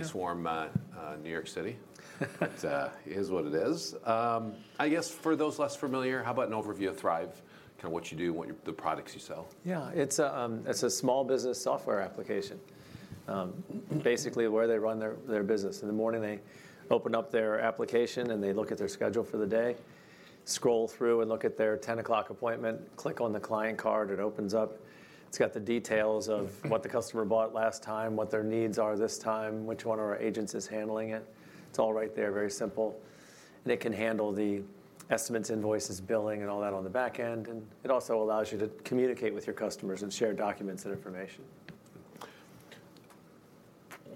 Nice warm New York City. But, it is what it is. I guess for those less familiar, how about an overview of Thryv? Kinda what you do, what the products you sell. Yeah. It's, it's a small business software application. Basically, the way they run their, their business. In the morning, they open up their application, and they look at their schedule for the day, scroll through, and look at their 10:00 A.M. appointment. Click on the client card, it opens up. It's got the details of- Mm... what the customer bought last time, what their needs are this time, which one of our agents is handling it. It's all right there, very simple. And it can handle the estimates, invoices, billing, and all that on the back end, and it also allows you to communicate with your customers and share documents and information.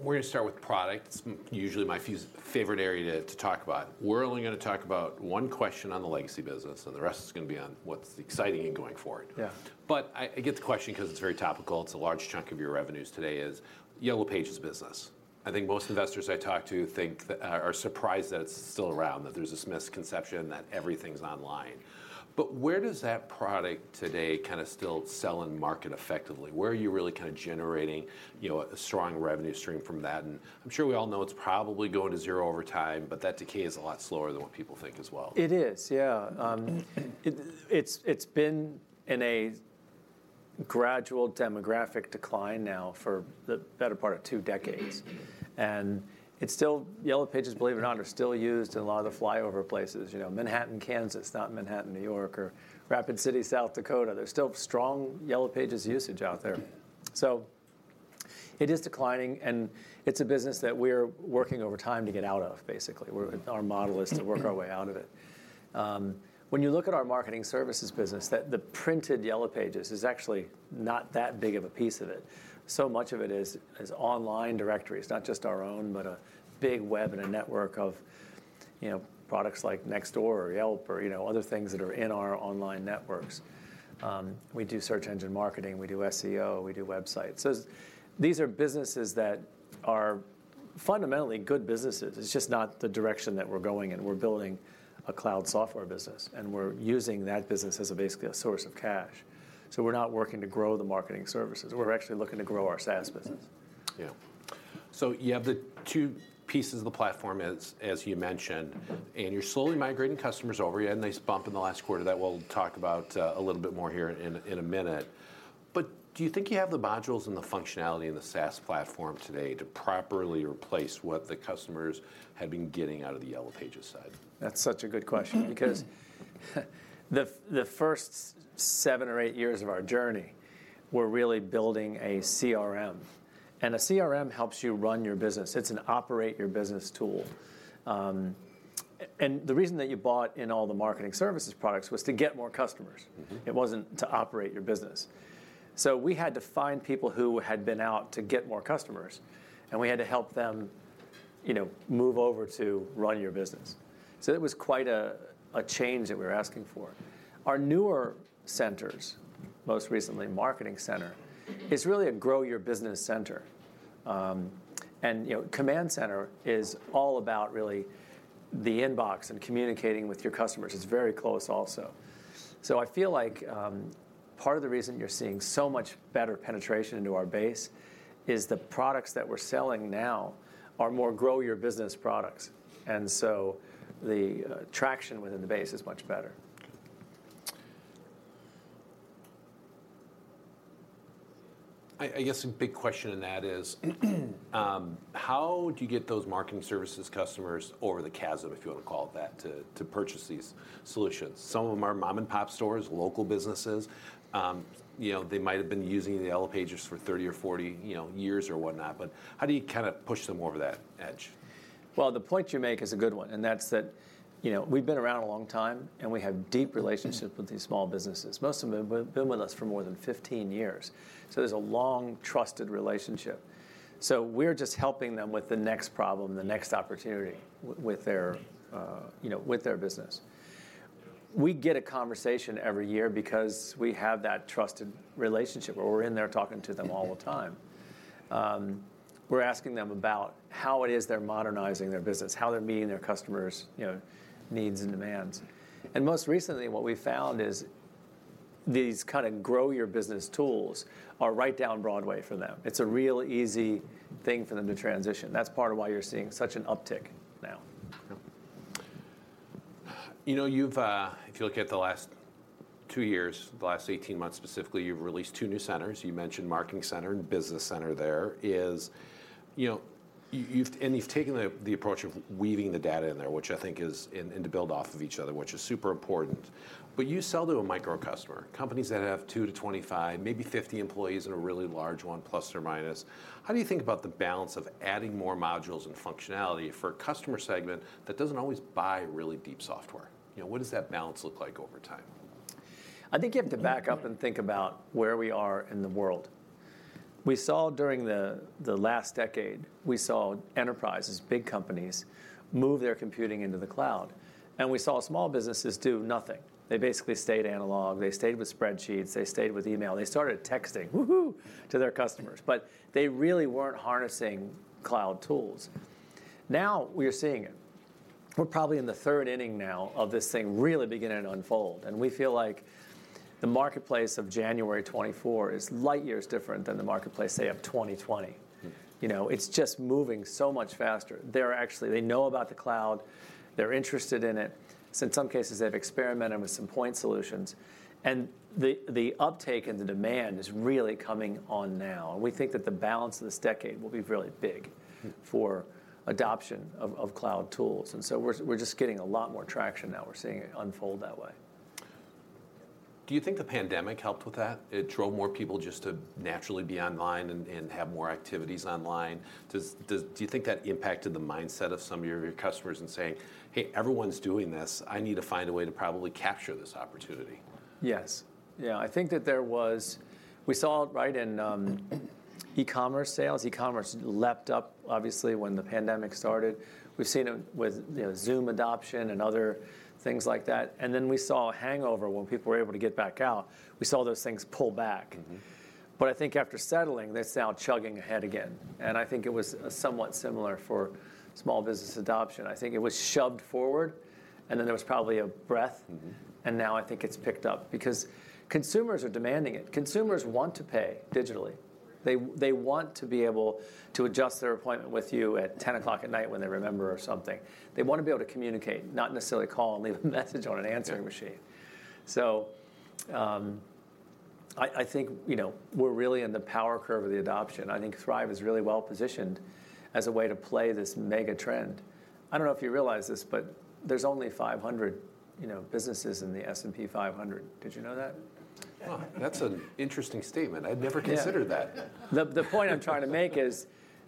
We're gonna start with product. It's usually my favorite area to talk about. We're only gonna talk about one question on the legacy business, and the rest is gonna be on what's exciting and going forward. Yeah. But I, I get the question 'cause it's very topical. It's a large chunk of your revenues today is Yellow Pages business. I think most investors I talk to are surprised that it's still around, that there's this misconception that everything's online. But where does that product today kind of still sell and market effectively? Where are you really kind of generating, you know, a strong revenue stream from that? And I'm sure we all know it's probably going to zero over time, but that decay is a lot slower than what people think as well. It is, yeah. It's been in a gradual demographic decline now for the better part of two decades. And it's still... Yellow Pages, believe it or not, are still used in a lot of the flyover places. You know, Manhattan, Kansas, not Manhattan, New York, or Rapid City, South Dakota. There's still strong Yellow Pages usage out there. So it is declining, and it's a business that we're working over time to get out of, basically. Our model is to work our way out of it. When you look at our Marketing Services business, the printed Yellow Pages is actually not that big of a piece of it. So much of it is online directories, not just our own, but a big web and a network of, you know, products like Nextdoor or Yelp or, you know, other things that are in our online networks. We do search engine marketing, we do SEO, we do websites. So these are businesses that are fundamentally good businesses. It's just not the direction that we're going in. We're building a cloud software business, and we're using that business as basically a source of cash. So we're not working to grow the Marketing Services. We're actually looking to grow our SaaS business. Yeah. So you have the two pieces of the platform as, as you mentioned, and you're slowly migrating customers over. You had a nice bump in the last quarter that we'll talk about, a little bit more here in, in a minute. But do you think you have the modules and the functionality in the SaaS platform today to properly replace what the customers have been getting out of the Yellow Pages side? That's such a good question, because the first seven or eight years of our journey, we're really building a CRM, and a CRM helps you run your business. It's an operate your business tool. And the reason that you bought in all the Marketing Services products was to get more customers. Mm-hmm. It wasn't to operate your business. So we had to find people who had been out to get more customers, and we had to help them, you know, move over to running your business. So it was quite a change that we were asking for. Our newer centers, most recently, Marketing Center, is really a grow your business center. And, you know, Command Center is all about really the inbox and communicating with your customers. It's very close also. So I feel like, part of the reason you're seeing so much better penetration into our base is the products that we're selling now are more grow your business products, and so the traction within the base is much better. I guess a big question in that is how do you get those Marketing Services customers over the chasm, if you want to call it that, to purchase these solutions? Some of them are mom-and-pop stores, local businesses. You know, they might have been using the Yellow Pages for 30 or 40, you know, years or whatnot, but how do you kind of push them over that edge? Well, the point you make is a good one, and that's that, you know, we've been around a long time, and we have deep relationships with these small businesses. Most of them have been with us for more than 15 years, so there's a long, trusted relationship. So we're just helping them with the next problem, the next opportunity with their, you know, with their business. We get a conversation every year because we have that trusted relationship where we're in there talking to them all the time. We're asking them about how it is they're modernizing their business, how they're meeting their customers', you know, needs and demands. And most recently, what we found is these kind of grow your business tools are right down Broadway for them. It's a real easy thing for them to transition. That's part of why you're seeing such an uptick now. Yeah. You know, you've... If you look at the last two years, the last 18 months specifically, you've released two new centers. You mentioned Marketing Center and Business Center there. Is... You know, you, you've, and you've taken the, the approach of weaving the data in there, which I think is, and, and to build off of each other, which is super important. But you sell to a micro customer, companies that have two to 25, maybe 50 employees in a really large one, plus or minus. How do you think about the balance of adding more modules and functionality for a customer segment that doesn't always buy really deep software? You know, what does that balance look like over time? I think you have to back up and think about where we are in the world. We saw during the last decade, we saw enterprises, big companies, move their computing into the cloud, and we saw small businesses do nothing. They basically stayed analog. They stayed with spreadsheets. They stayed with email. They started texting, woo-hoo, to their customers, but they really weren't harnessing cloud tools. Now, we are seeing it... We're probably in the third inning now of this thing really beginning to unfold, and we feel like the marketplace of January 2024 is light years different than the marketplace, say, of 2020. Mm-hmm. You know, it's just moving so much faster. They're actually, they know about the cloud, they're interested in it. So in some cases, they've experimented with some point solutions, and the uptake and the demand is really coming on now, and we think that the balance of this decade will be really big- Mm... for adoption of cloud tools. And so we're just getting a lot more traction now. We're seeing it unfold that way. Do you think the pandemic helped with that? It drove more people just to naturally be online and have more activities online. Do you think that impacted the mindset of some of your customers in saying, "Hey, everyone's doing this. I need to find a way to probably capture this opportunity"? Yes. Yeah, I think that we saw it, right, in e-commerce sales. E-commerce leapt up, obviously, when the pandemic started. We've seen it with, you know, Zoom adoption and other things like that, and then we saw a hangover when people were able to get back out. We saw those things pull back. Mm-hmm. But I think after settling, they're now chugging ahead again, and I think it was somewhat similar for small business adoption. I think it was shoved forward, and then there was probably a breath- Mm-hmm... and now I think it's picked up because consumers are demanding it. Consumers want to pay digitally. They, they want to be able to adjust their appointment with you at 10:00 P.M. when they remember or something. They wanna be able to communicate, not necessarily call and leave a message on an answering machine. Yeah. So, I think, you know, we're really in the power curve of the adoption. I think Thryv is really well positioned as a way to play this mega trend. I don't know if you realize this, but there's only 500, you know, businesses in the S&P 500. Did you know that? Well, that's an interesting statement. Yeah. I'd never considered that. The point I'm trying to make is,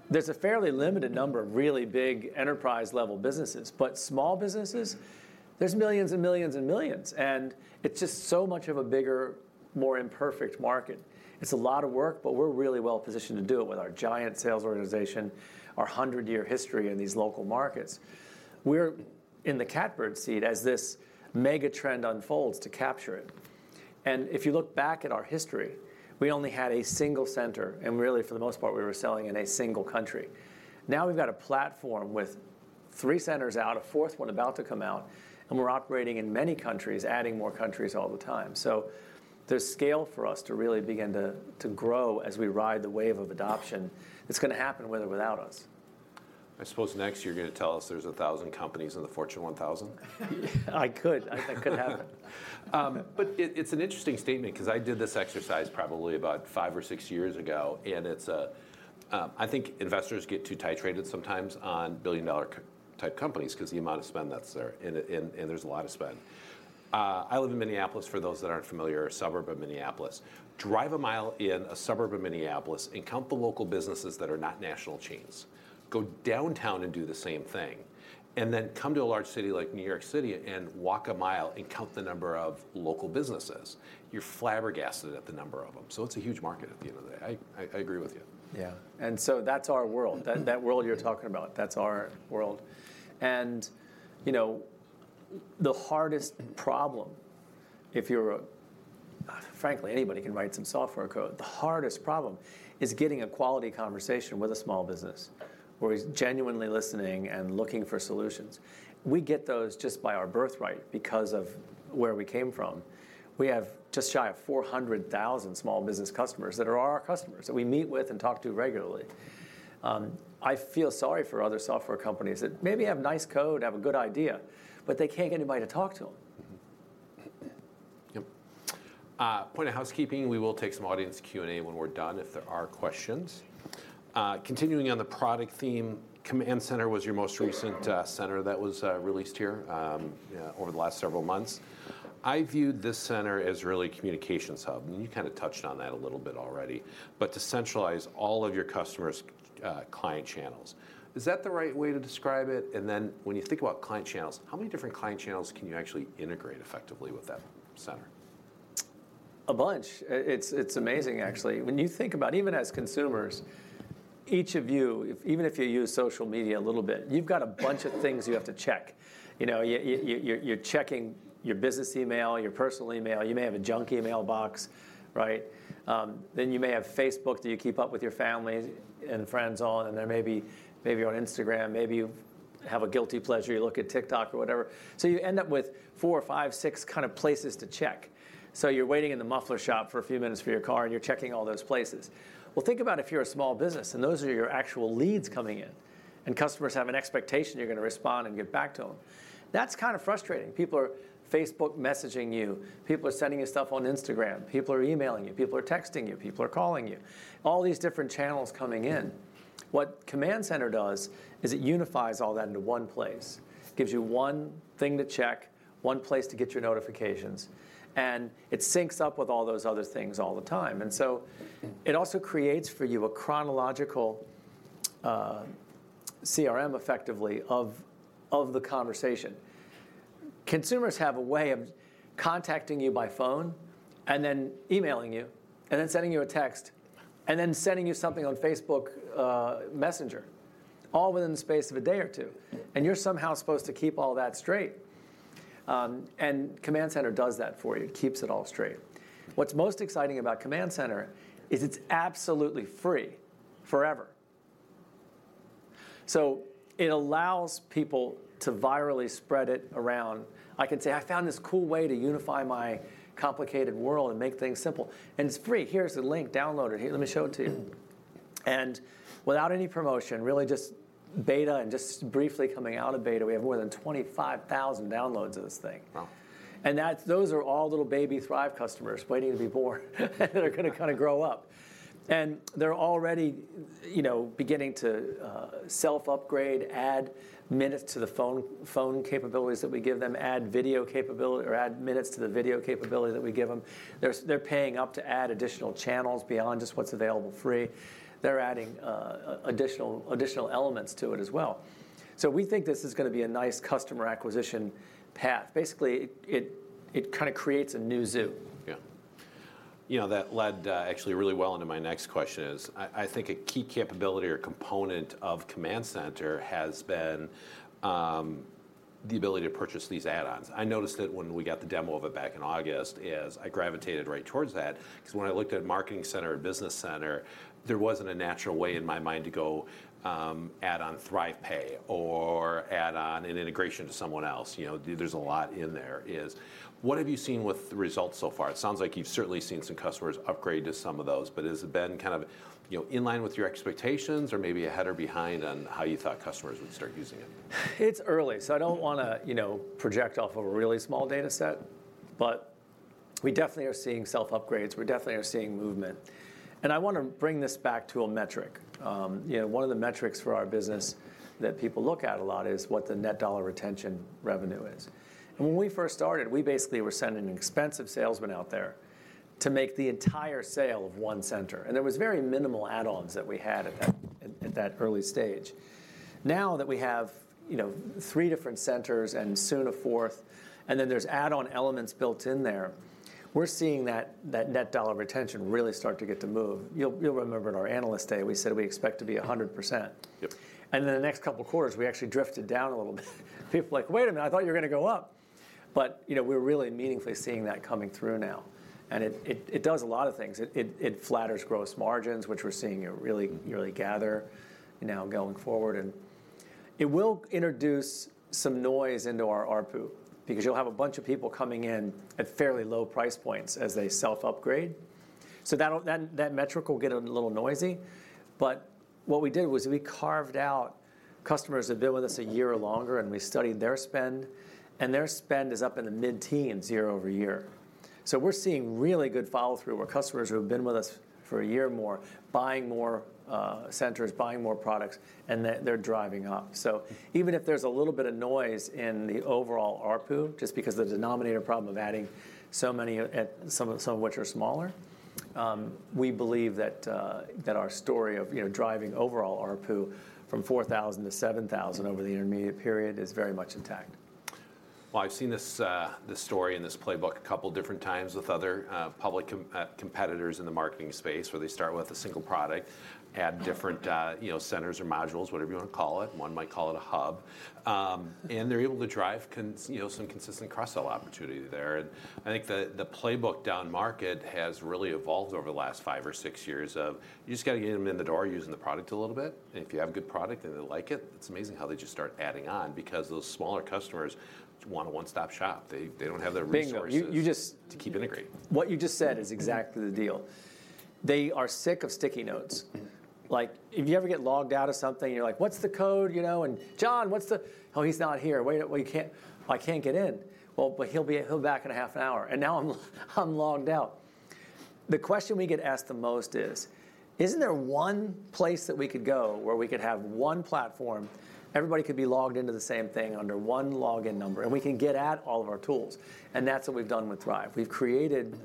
there's a fairly limited number of really big enterprise-level businesses, but small businesses, there's millions and millions and millions, and it's just so much of a bigger, more imperfect market. It's a lot of work, but we're really well positioned to do it with our giant sales organization, our 100-year history in these local markets. We're in the catbird seat as this mega trend unfolds to capture it, and if you look back at our history, we only had a single center, and really, for the most part, we were selling in a single country. Now, we've got a platform with three centers out, a fourth one about to come out, and we're operating in many countries, adding more countries all the time. So there's scale for us to really begin to grow as we ride the wave of adoption. It's gonna happen with or without us. I suppose next, you're gonna tell us there's 1,000 companies in the Fortune 1000? I could. That could happen. But it, it's an interesting statement 'cause I did this exercise probably about five or six years ago, and it's a... I think investors get too titillated sometimes on billion-dollar unicorn-type companies 'cause the amount of spend that's there, and there's a lot of spend. I live in Minneapolis, for those that aren't familiar, a suburb of Minneapolis. Drive a mile in a suburb of Minneapolis and count the local businesses that are not national chains. Go downtown and do the same thing, and then come to a large city like New York City and walk a mile and count the number of local businesses. You're flabbergasted at the number of them, so it's a huge market at the end of the day. I agree with you. Yeah, and so that's our world. That, that world you're talking about, that's our world. And, you know, the hardest problem if you're frankly, anybody can write some software code. The hardest problem is getting a quality conversation with a small business where he's genuinely listening and looking for solutions. We get those just by our birthright because of where we came from. We have just shy of 400,000 small business customers that are our customers, that we meet with and talk to regularly. I feel sorry for other software companies that maybe have nice code, have a good idea, but they can't get anybody to talk to them. Mm-hmm. Yep. Point of housekeeping, we will take some audience Q&A when we're done if there are questions. Continuing on the product theme, Command Center was your most recent center that was released here over the last several months. I viewed this center as really a communications hub, and you kinda touched on that a little bit already, but to centralize all of your customers' client channels. Is that the right way to describe it? And then, when you think about client channels, how many different client channels can you actually integrate effectively with that center? A bunch. It's amazing, actually. When you think about even as consumers, each of you, even if you use social media a little bit, you've got a bunch of things you have to check. You know, you're checking your business email, your personal email, you may have a junk email box, right? Then you may have Facebook that you keep up with your family and friends on, and there may be, maybe on Instagram, maybe you have a guilty pleasure, you look at TikTok or whatever. So you end up with four, five, six kind of places to check. So you're waiting in the muffler shop for a few minutes for your car, and you're checking all those places. Well, think about if you're a small business and those are your actual leads coming in, and customers have an expectation you're gonna respond and get back to them. That's kind of frustrating. People are Facebook messaging you. People are sending you stuff on Instagram. People are emailing you. People are texting you. People are calling you. All these different channels coming in. What Command Center does is it unifies all that into one place, gives you one thing to check, one place to get your notifications, and it syncs up with all those other things all the time. And so it also creates for you a chronological CRM, effectively, of the conversation. Consumers have a way of contacting you by phone, and then emailing you, and then sending you a text, and then sending you something on Facebook Messenger, all within the space of a day or two, and you're somehow supposed to keep all that straight... and Command Center does that for you, keeps it all straight. What's most exciting about Command Center is it's absolutely free forever. So it allows people to virally spread it around. I can say, "I found this cool way to unify my complicated world and make things simple, and it's free. Here's the link. Download it. Here, let me show it to you." Without any promotion, really just beta and just briefly coming out of beta, we have more than 25,000 downloads of this thing. Wow! And that's those are all little baby Thryv customers waiting to be born, that are gonna kinda grow up. And they're already, you know, beginning to self-upgrade, add minutes to the phone, phone capabilities that we give them, add video capability or add minutes to the video capability that we give them. They're paying up to add additional channels beyond just what's available free. They're adding additional, additional elements to it as well. So we think this is gonna be a nice customer acquisition path. Basically, it kinda creates a new zoo. Yeah. You know, that led actually really well into my next question. I think a key capability or component of Command Center has been the ability to purchase these add-ons. I noticed it when we got the demo of it back in August. I gravitated right towards that. 'Cause when I looked at Marketing Center and Business Center, there wasn't a natural way in my mind to go add on ThryvPay or add on an integration to someone else. You know, there's a lot in there. What have you seen with the results so far? It sounds like you've certainly seen some customers upgrade to some of those, but has it been kind of, you know, in line with your expectations or maybe ahead or behind on how you thought customers would start using it? It's early, so I don't wanna, you know, project off of a really small data set, but we definitely are seeing self-upgrades. We definitely are seeing movement. I wanna bring this back to a metric. You know, one of the metrics for our business that people look at a lot is what the Net Dollar Retention revenue is. When we first started, we basically were sending an expensive salesman out there to make the entire sale of one center, and there was very minimal add-ons that we had at that early stage. Now that we have, you know, three different centers, and soon a fourth, and then there's add-on elements built in there, we're seeing that Net Dollar Retention really start to get to move. You'll remember in our Analyst Day, we said we expect to be 100%. Yep. In the next couple of quarters, we actually drifted down a little bit. People are like: "Wait a minute, I thought you were gonna go up?" But, you know, we're really meaningfully seeing that coming through now, and it does a lot of things. It flatters gross margins, which we're seeing it really, really gather now going forward. And it will introduce some noise into our ARPU, because you'll have a bunch of people coming in at fairly low price points as they self-upgrade, so that'll, that metric will get a little noisy. But what we did was we carved out customers who have been with us a year or longer, and we studied their spend, and their spend is up in the mid-teens year-over-year. So we're seeing really good follow-through where customers who have been with us for a year or more, buying more, centers, buying more products, and they're driving up. So even if there's a little bit of noise in the overall ARPU, just because of the denominator problem of adding so many at some of which are smaller, we believe that our story of, you know, driving overall ARPU from $4,000-$7,000 over the intermediate period is very much intact. Well, I've seen this story in this playbook a couple of different times with other public competitors in the marketing space, where they start with a single product, add different- Mm-hmm... you know, centers or modules, whatever you want to call it. One might call it a hub. And they're able to drive—you know, some consistent cross-sell opportunity there. And I think the playbook down market has really evolved over the last five or six years. You just got to get them in the door using the product a little bit. If you have a good product and they like it, it's amazing how they just start adding on, because those smaller customers want a one-stop shop. They don't have the resources- Bingo, you just- to keep integrating. What you just said is exactly the deal. They are sick of sticky notes. Mm-hmm. Like, if you ever get logged out of something, you're like: "What's the code?" You know, and, "John, what's the... " "Oh, he's not here. Wait, well, you can't- " "I can't get in." "Well, but he'll be- he'll be back in a half an hour." And now I'm logged out. The question we get asked the most is: "Isn't there one place that we could go, where we could have one platform, everybody could be logged into the same thing under one login number, and we can get at all of our tools?" And that's what we've done with Thryv. We've created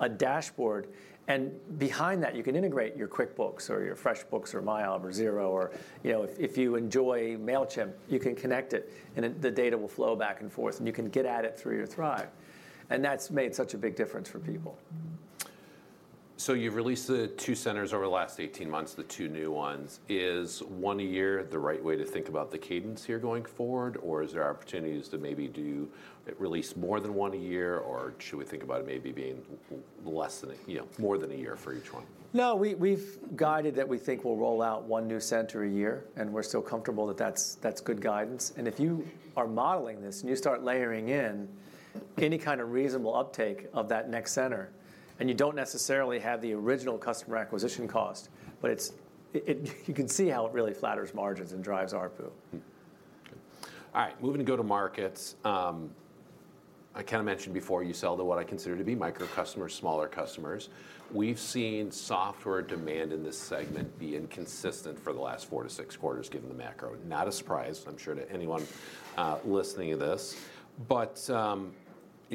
a dashboard, and behind that, you can integrate your QuickBooks or your FreshBooks or Melio or Xero or, you know, if you enjoy Mailchimp, you can connect it, and then the data will flow back and forth, and you can get at it through your Thryv. And that's made such a big difference for people. So you've released the two centers over the last 18 months, the two new ones. Is one a year the right way to think about the cadence here going forward, or is there opportunities to maybe do release more than one a year, or should we think about it maybe being less than a, you know, more than a year for each one? No, we've guided that we think we'll roll out one new center a year, and we're still comfortable that that's good guidance. And if you are modeling this, and you start layering in any kind of reasonable uptake of that next center, and you don't necessarily have the original customer acquisition cost, but you can see how it really flatters margins and drives ARPU. Mm-hmm. All right, moving to go-to-markets. I kinda mentioned before, you sell to what I consider to be micro customers, smaller customers. We've seen software demand in this segment be inconsistent for the last four to six quarters, given the macro. Not a surprise, I'm sure, to anyone listening to this, but you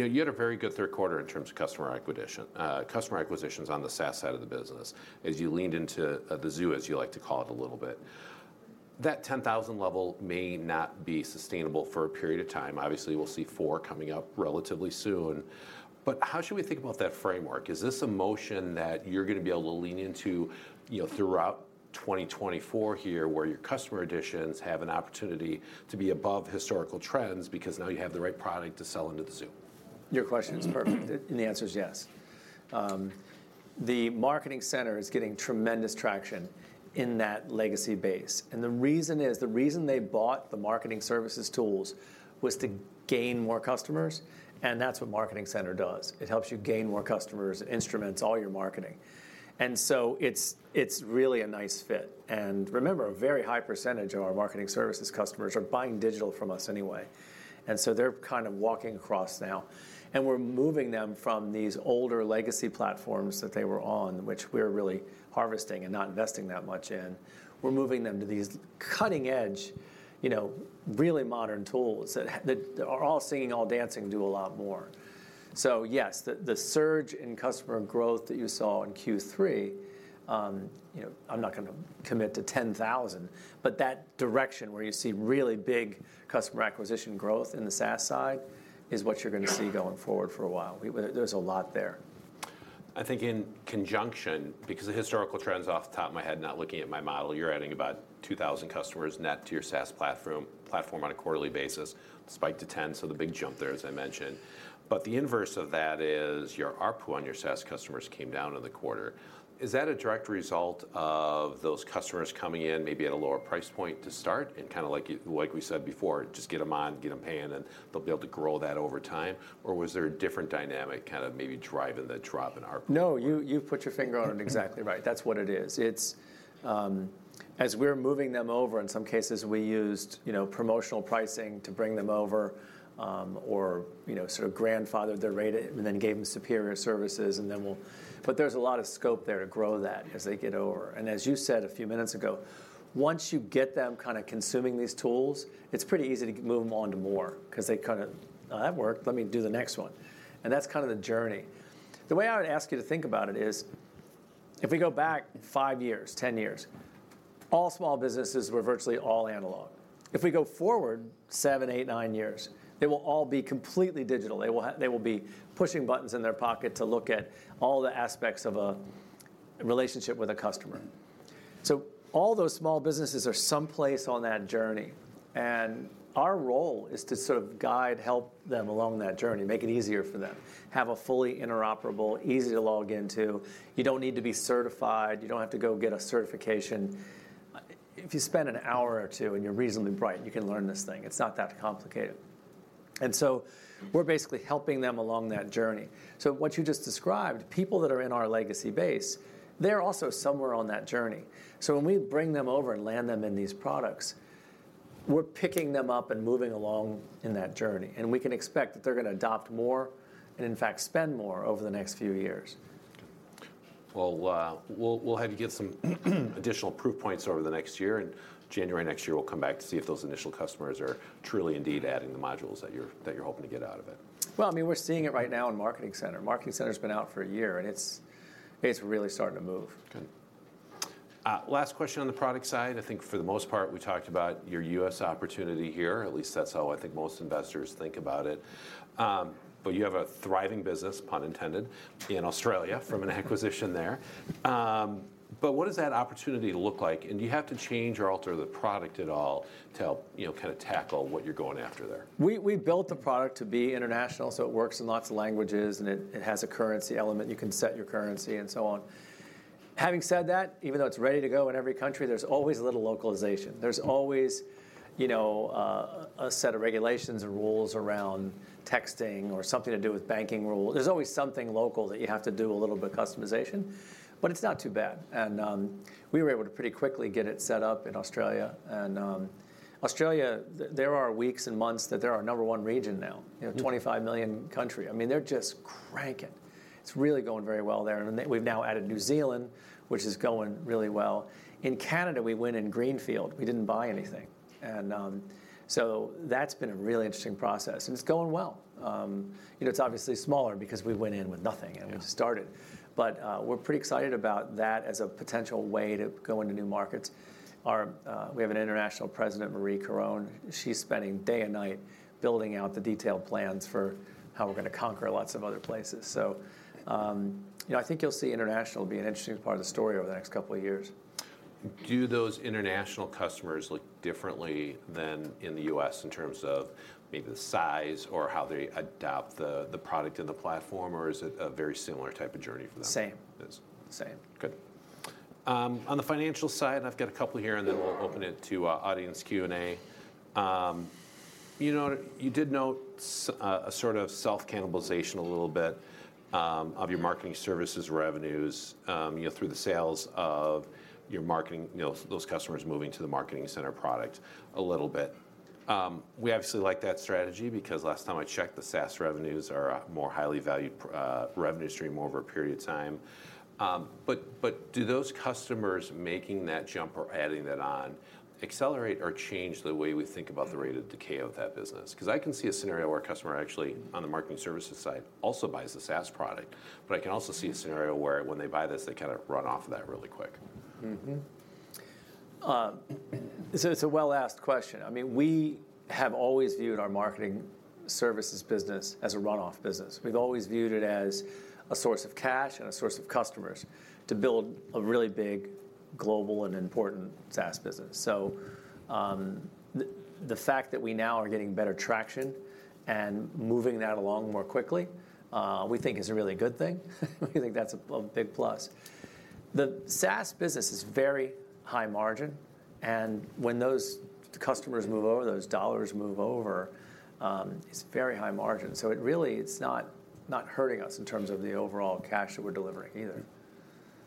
know, you had a very good third quarter in terms of customer acquisition, customer acquisitions on the SaaS side of the business, as you leaned into the zoo, as you like to call it, a little bit. That 10,000 level may not be sustainable for a period of time. Obviously, we'll see Q4 coming up relatively soon, but how should we think about that framework? Is this a motion that you're gonna be able to lean into, you know, throughout-... 2024 here, where your customer additions have an opportunity to be above historical trends, because now you have the right product to sell into the Zoom? Your question is perfect, and the answer is yes. The Marketing Center is getting tremendous traction in that legacy base, and the reason is, the reason they bought the Marketing Services tools was to gain more customers, and that's what Marketing Center does. It helps you gain more customers, it instruments all your marketing. And so it's, it's really a nice fit. And remember, a very high percentage of our Marketing Services customers are buying digital from us anyway, and so they're kind of walking across now. And we're moving them from these older legacy platforms that they were on, which we're really harvesting and not investing that much in. We're moving them to these cutting-edge, you know, really modern tools that that are all singing, all dancing, do a lot more. So yes, the surge in customer growth that you saw in Q3, you know, I'm not gonna commit to 10,000, but that direction, where you see really big customer acquisition growth in the SaaS side, is what you're gonna see going forward for a while. There's a lot there. I think in conjunction, because the historical trends, off the top of my head, not looking at my model, you're adding about 2,000 customers net to your SaaS platform, platform on a quarterly basis, spike to 10, so the big jump there, as I mentioned. But the inverse of that is your ARPU on your SaaS customers came down in the quarter. Is that a direct result of those customers coming in maybe at a lower price point to start, and kind of like, like we said before, just get them on, get them paying, and they'll be able to grow that over time, or was there a different dynamic kind of maybe driving the drop in ARPU? No, you, you've put your finger on it exactly right. That's what it is. It's. As we're moving them over, in some cases, we used, you know, promotional pricing to bring them over, or, you know, sort of grandfathered their rate and then gave them superior services, and then, but there's a lot of scope there to grow that as they get over. And as you said a few minutes ago, once you get them kind of consuming these tools, it's pretty easy to move them on to more, 'cause they kind of, "Well, that worked, let me do the next one." And that's kind of the journey. The way I would ask you to think about it is, if we go back five years, 10 years, all small businesses were virtually all analog. If we go forward seven, eight, nine years, they will all be completely digital. They will be pushing buttons in their pocket to look at all the aspects of a relationship with a customer. So all those small businesses are someplace on that journey, and our role is to sort of guide, help them along that journey, make it easier for them. Have a fully interoperable, easy to log into, you don't need to be certified, you don't have to go get a certification. If you spend an hour or two, and you're reasonably bright, you can learn this thing. It's not that complicated. And so we're basically helping them along that journey. So what you just described, people that are in our legacy base, they're also somewhere on that journey. So when we bring them over and land them in these products, we're picking them up and moving along in that journey, and we can expect that they're gonna adopt more and, in fact, spend more over the next few years. Well, we'll have to get some additional proof points over the next year, and January next year, we'll come back to see if those initial customers are truly indeed adding the modules that you're hoping to get out of it. Well, I mean, we're seeing it right now in Marketing Center. Marketing Center's been out for a year, and it's really starting to move. Good. Last question on the product side. I think for the most part, we talked about your U.S. opportunity here. At least that's how I think most investors think about it. But you have a thriving business, pun intended, in Australia from an acquisition there. But what does that opportunity look like? And do you have to change or alter the product at all to help, you know, kind of tackle what you're going after there? We built the product to be international, so it works in lots of languages, and it has a currency element. You can set your currency and so on. Having said that, even though it's ready to go in every country, there's always a little localization. There's always, you know, a set of regulations or rules around texting or something to do with banking rules. There's always something local that you have to do a little bit of customization, but it's not too bad. We were able to pretty quickly get it set up in Australia. And Australia, there are weeks and months that they're our number one region now. Mm. You know, 25 million country. I mean, they're just cranking. It's really going very well there, and then we've now added New Zealand, which is going really well. In Canada, we went in greenfield. We didn't buy anything, and so that's been a really interesting process, and it's going well. You know, it's obviously smaller because we went in with nothing- Yeah... and we just started. But, we're pretty excited about that as a potential way to go into new markets. Our, we have an International President, Marie Caron. She's spending day and night building out the detailed plans for how we're gonna conquer lots of other places. So, you know, I think you'll see international be an interesting part of the story over the next couple of years. Do those international customers look differently than in the U.S. in terms of maybe the size or how they adopt the product and the platform, or is it a very similar type of journey for them? Same. It is. Same. Good. On the financial side, I've got a couple here, and then we'll open it to audience Q&A. You know, you did note a sort of self-cannibalization a little bit of your Marketing Services revenues, you know, through the sales of your marketing, you know, those customers moving to the Marketing Center product a little bit. We obviously like that strategy, because last time I checked, the SaaS revenues are a more highly valued revenue stream over a period of time. But do those customers making that jump or adding that on accelerate or change the way we think about the rate of decay of that business? 'Cause I can see a scenario where a customer actually on the Marketing Services side also buys a SaaS product, but I can also see a scenario where when they buy this, they kind of run off of that really quick. It's a well-asked question. I mean, we have always viewed our Marketing Services business as a runoff business. We've always viewed it as a source of cash and a source of customers to build a really big, global, and important SaaS business. So, the fact that we now are getting better traction and moving that along more quickly, we think is a really good thing. We think that's a big plus. The SaaS business is very high margin, and when those customers move over, those dollars move over, it's very high margin. So it really, it's not hurting us in terms of the overall cash that we're delivering either.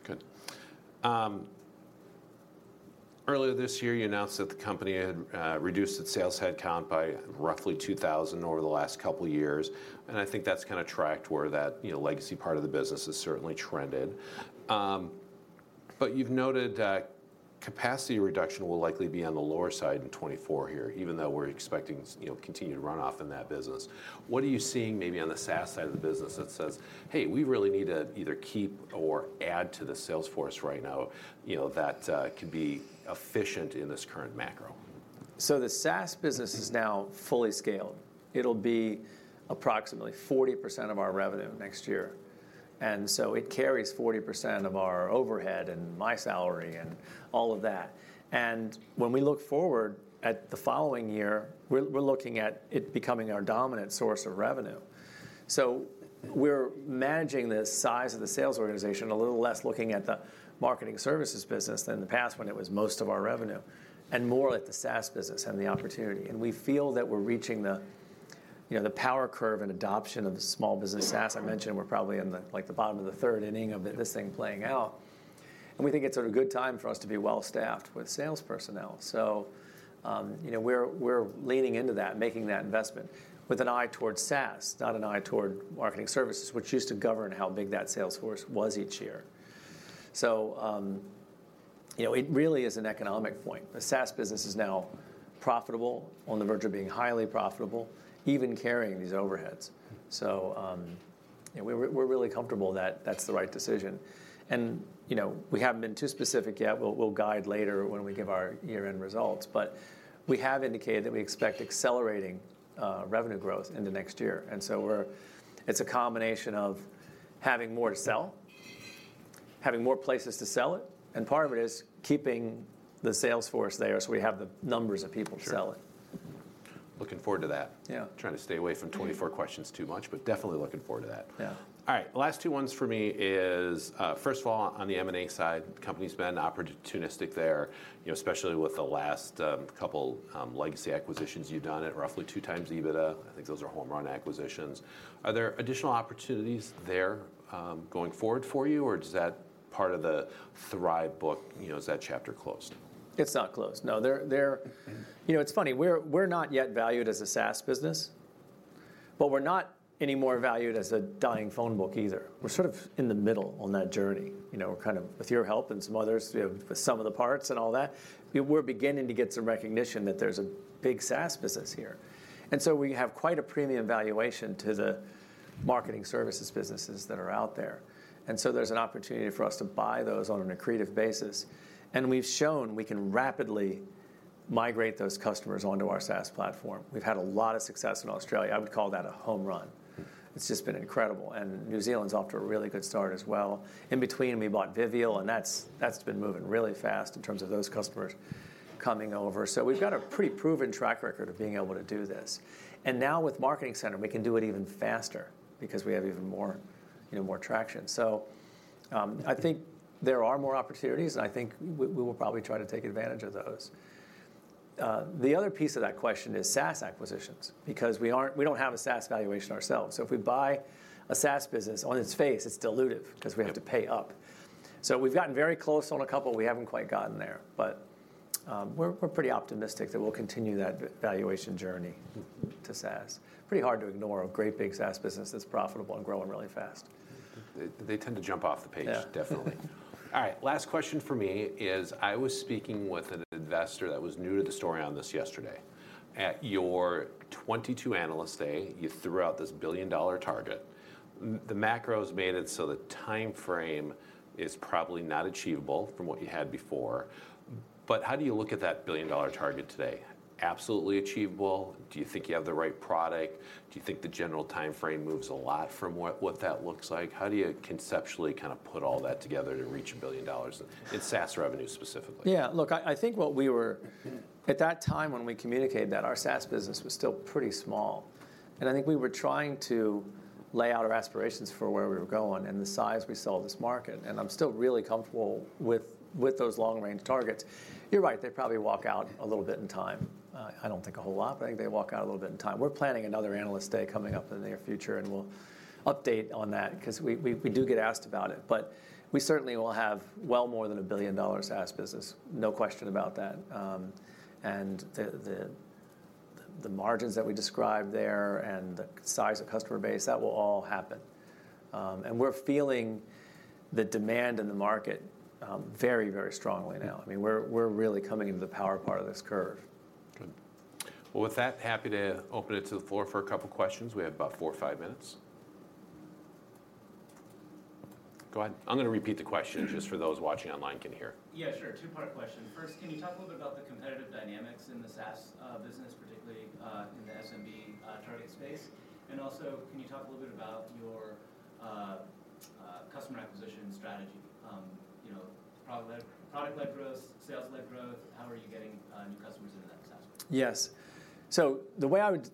Good. Earlier this year, you announced that the company had reduced its sales headcount by roughly 2,000 over the last couple of years, and I think that's kind of tracked where that, you know, legacy part of the business has certainly trended. But you've noted that capacity reduction will likely be on the lower side in 2024 here, even though we're expecting, you know, continued runoff in that business. What are you seeing maybe on the SaaS side of the business that says, "Hey, we really need to either keep or add to the sales force right now, you know, that could be efficient in this current macro? So the SaaS business is now fully scaled. It'll be approximately 40% of our revenue next year, and so it carries 40% of our overhead and my salary and all of that. And when we look forward at the following year, we're, we're looking at it becoming our dominant source of revenue. So we're managing the size of the sales organization, a little less looking at the Marketing Services business than the past when it was most of our revenue, and more at the SaaS business and the opportunity. And we feel that we're reaching the, you know, the power curve and adoption of the small business SaaS. I mentioned we're probably in the, like, the bottom of the third inning of this thing playing out, and we think it's a good time for us to be well staffed with sales personnel. So, you know, we're leaning into that, making that investment with an eye towards SaaS, not an eye toward Marketing Services, which used to govern how big that sales force was each year. So, you know, it really is an economic point. The SaaS business is now profitable, on the verge of being highly profitable, even carrying these overheads. So, yeah, we're really comfortable that that's the right decision. And, you know, we haven't been too specific yet. We'll guide later when we give our year-end results, but we have indicated that we expect accelerating revenue growth in the next year. And so it's a combination of having more to sell, having more places to sell it, and part of it is keeping the sales force there, so we have the numbers of people to sell it. Sure. Looking forward to that. Yeah. Trying to stay away from 24 questions too much, but definitely looking forward to that. Yeah. All right. The last two ones for me is, first of all, on the M&A side, the company's been opportunistic there, you know, especially with the last couple legacy acquisitions you've done at roughly 2x EBITDA. I think those are home-run acquisitions. Are there additional opportunities there, going forward for you, or does that part of the Thryv book, you know, is that chapter closed? It's not closed. No. You know, it's funny, we're not yet valued as a SaaS business, but we're not anymore valued as a dying phone book either. We're sort of in the middle on that journey. You know, we're kind of, with your help and some others, we have the sum of the parts and all that. We're beginning to get some recognition that there's a big SaaS business here. And so we have quite a premium valuation to the Marketing Services businesses that are out there. And so there's an opportunity for us to buy those on an accretive basis. And we've shown we can rapidly migrate those customers onto our SaaS platform. We've had a lot of success in Australia. I would call that a home run. It's just been incredible, and New Zealand's off to a really good start as well. In between, we bought Vivial, and that's, that's been moving really fast in terms of those customers coming over. So we've got a pretty proven track record of being able to do this. And now with Marketing Center, we can do it even faster because we have even more, you know, more traction. So, I think there are more opportunities, and I think we, we will probably try to take advantage of those. The other piece of that question is SaaS acquisitions, because we aren't-- we don't have a SaaS valuation ourselves. So if we buy a SaaS business, on its face, it's dilutive- Yeah... 'cause we have to pay up. So we've gotten very close on a couple. We haven't quite gotten there, but we're pretty optimistic that we'll continue that valuation journey to SaaS. Pretty hard to ignore a great big SaaS business that's profitable and growing really fast. They tend to jump off the page- Yeah... definitely. All right, last question for me is, I was speaking with an investor that was new to the story on this yesterday. At your 2022 Analyst Day, you threw out this billion-dollar target. The macros made it so the timeframe is probably not achievable from what you had before, but how do you look at that billion-dollar target today? Absolutely achievable? Do you think you have the right product? Do you think the general timeframe moves a lot from what, what that looks like? How do you conceptually kind of put all that together to reach $1 billion in SaaS revenue specifically? Yeah, look, I think what we were at that time when we communicated that, our SaaS business was still pretty small, and I think we were trying to lay out our aspirations for where we were going and the size we saw this market in. And I'm still really comfortable with those long-range targets. You're right, they probably walk out a little bit in time. I don't think a whole lot, but I think they walk out a little bit in time. We're planning another Analyst Day coming up in the near future, and we'll update on that 'cause we do get asked about it. But we certainly will have well more than a billion-dollar SaaS business, no question about that. And the margins that we described there and the size of customer base, that will all happen. We're feeling the demand in the market, very, very strongly now. I mean, we're really coming into the power part of this curve. Good. Well, with that, happy to open it to the floor for a couple questions. We have about four or five minutes.... Go ahead. I'm gonna repeat the question just for those watching online can hear. Yeah, sure. Two-part question. First, can you talk a little bit about the competitive dynamics in the SaaS business, particularly in the SMB target space? And also, can you talk a little bit about your customer acquisition strategy? You know, product-led, Product-Led Growth, sales-led growth, how are you getting new customers into that SaaS space? Yes. So the way I would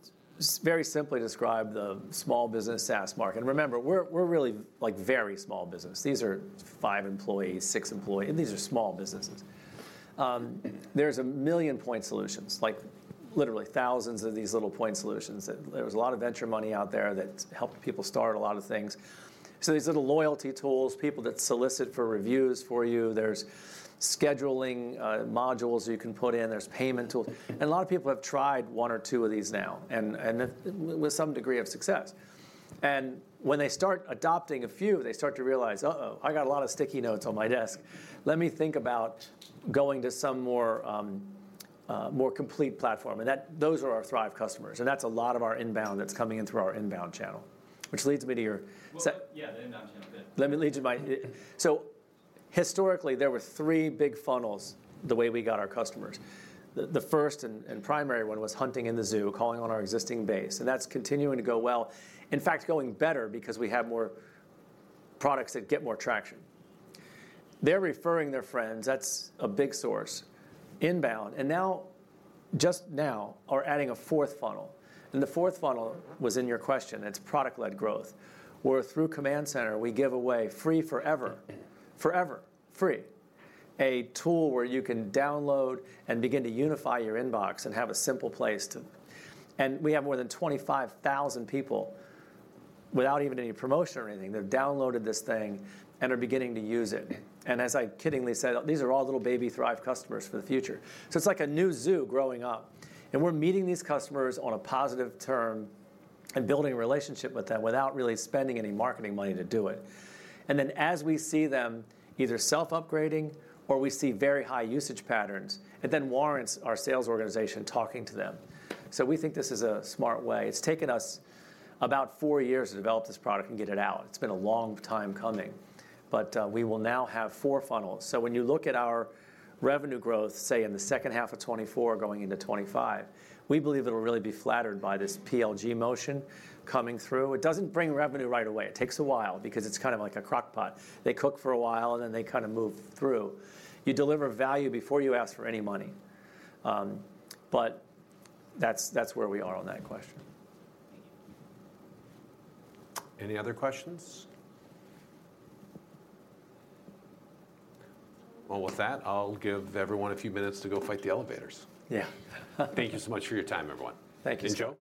very simply describe the small business SaaS market, and remember, we're, we're really, like, very small business. These are five employees, six employees, and these are small businesses. There's one million point solutions, like literally thousands of these little point solutions, that there was a lot of venture money out there that helped people start a lot of things. So these little loyalty tools, people that solicit for reviews for you, there's scheduling modules you can put in, there's payment tools. And a lot of people have tried one or two of these now, and with some degree of success. And when they start adopting a few, they start to realize, "Uh-oh, I got a lot of sticky notes on my desk. Let me think about going to some more, more complete platform." And those are our Thryv customers, and that's a lot of our inbound that's coming in through our inbound channel. Which leads me to your se- So historically, there were three big funnels the way we got our customers. The first and primary one was hunting in the zoo, calling on our existing base, and that's continuing to go well. In fact, going better because we have more products that get more traction. They're referring their friends, that's a big source. Inbound, and now, just now, are adding a fourth funnel, and the fourth funnel was in your question, it's Product-Led Growth, where through Command Center, we give away free forever, forever free, a tool where you can download and begin to unify your inbox and have a simple place to. And we have more than 25,000 people, without even any promotion or anything, they've downloaded this thing and are beginning to use it. And as I kiddingly said, these are all little baby Thryv customers for the future. So it's like a new zoo growing up, and we're meeting these customers on a positive term and building a relationship with them without really spending any marketing money to do it. And then, as we see them either self-upgrading or we see very high usage patterns, it then warrants our sales organization talking to them. So we think this is a smart way. It's taken us about four years to develop this product and get it out. It's been a long time coming, but we will now have four funnels. So when you look at our revenue growth, say, in the second half of 2024 going into 2025, we believe it'll really be flattered by this PLG motion coming through. It doesn't bring revenue right away. It takes a while because it's kind of like a crock pot. They cook for a while, and then they kind of move through. You deliver value before you ask for any money. But that's, that's where we are on that question. Any other questions? Well, with that, I'll give everyone a few minutes to go fight the elevators. Yeah. Thank you so much for your time, everyone. Thank you. And Joe?